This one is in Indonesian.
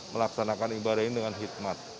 melaksanakan ibadah ini dengan hikmat